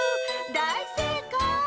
だいせいかい！